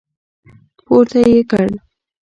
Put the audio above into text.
پورته يې کړ.